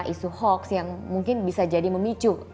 isu hoax yang mungkin bisa jadi memicu